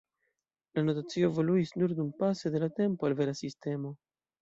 La notacio evoluis nur dumpase de la tempo al vera "sistemo".